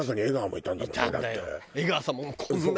いたんだよ。